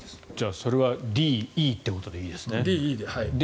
それはＤ、Ｅということでいいですね。